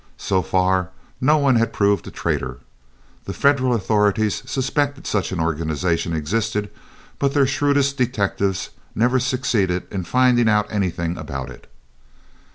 So far no one had proved a traitor. The Federal authorities suspected that such an organization existed, but their shrewdest detectives never succeeded in finding out anything about it.